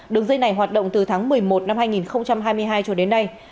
đường dây này hoạt động từ tháng một mươi một năm hai nghìn hai mươi hai cho đến nay